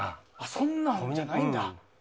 そんなんじゃないんだ。